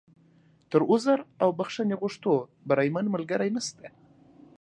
تر عذر او بښنې غوښتو، بریمن ملګری نشته.